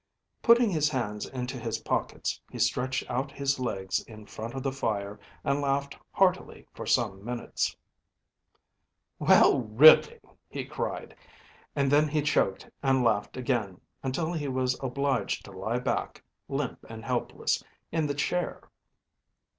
Putting his hands into his pockets, he stretched out his legs in front of the fire and laughed heartily for some minutes. “Well, really!‚ÄĚ he cried, and then he choked and laughed again until he was obliged to lie back, limp and helpless, in the chair.